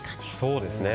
そうですね。